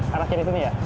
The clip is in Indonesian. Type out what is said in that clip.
arah kiri itu nih ya